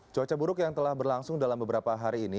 cuaca buruk yang telah berlangsung dalam beberapa hari ini